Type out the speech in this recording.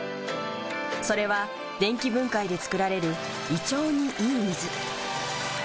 それは電気分解で作られる胃腸にいい水。